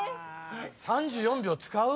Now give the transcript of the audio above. ３４秒使う？